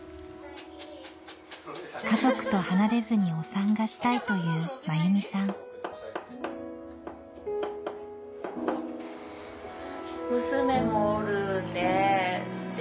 家族と離れずにお産がしたいという真弓さんでもハハハ。